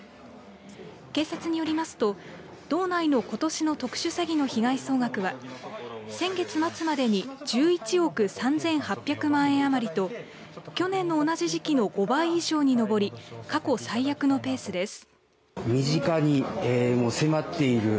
警察によりますと道内のことしの特殊詐欺の被害総額は先月末までに１１億３８００万円余りと去年の同じ時期の５倍以上に上り過去最悪のペースです。